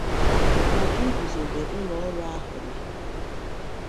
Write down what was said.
maka igùzobe ụlọ ọrụ ahụ na